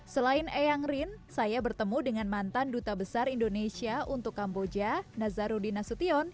selain eyanglin saya bertemu dengan mantan duta besar indonesia untuk kamboja nazarudi nasution